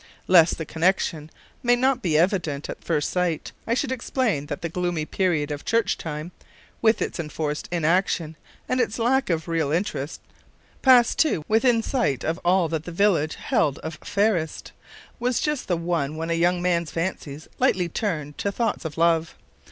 Lest the connexion may not be evident at first sight, I should explain that the gloomy period of church time, with its enforced inaction and its lack of real interest passed, too, within sight of all that the village held of fairest was just the one when a young man's fancies lightly turned to thoughts of love.